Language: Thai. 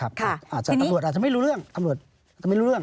อาจจะตำรวจไม่รู้เรื่อง